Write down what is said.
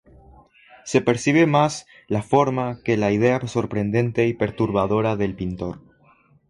Se percibe más la forma que la idea sorprendente y perturbadora del pintor.